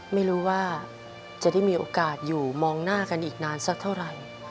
ไม่รู้ว่าจะได้มีโอกาสอยู่มองหน้ากันอีกนานสักเท่าไหร่